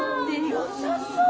よさそう！